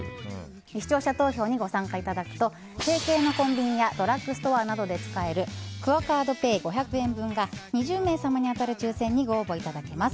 視聴者投票にご参加いただくと提携のコンビニやドラッグストアなどで使えるクオ・カードペイ５００円分が２０名様に当たる抽選にご応募いただけます。